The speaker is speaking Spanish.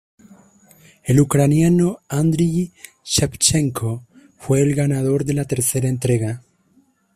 El ucraniano Andriy Shevchenko fue el ganador de la tercera entrega.